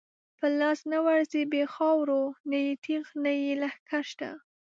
په لاس نه ورځی بی خاورو، نه یې تیغ نه یی لښکر شته